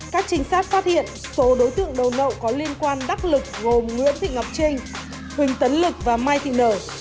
các trinh sát phát hiện số đối tượng đầu nậu có liên quan đắc lực gồm nguyễn thị ngọc trinh huỳnh tấn lực và mai thị nở